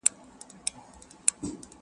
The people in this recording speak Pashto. نه به ترنګ د آدم خان ته درخانۍ کي پلو لیري!.